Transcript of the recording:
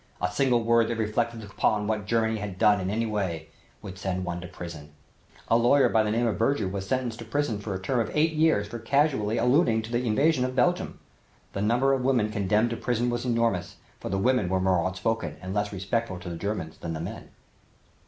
A single word that reflected upon what Germany had done in any way would send one to prison. A lawyer by the name of Berger was sentenced to prison for a term of eight years for casually alluding to the invasion of Belgium. The number of women condemned to prison was enormous, for the women were more outspoken and less respectful to the Germans than the men.